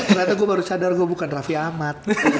ternyata gue baru sadar gue bukan raffi ahmad